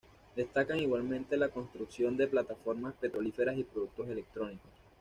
Destacan igualmente la construcción de plataformas petrolíferas y productos electrónicos.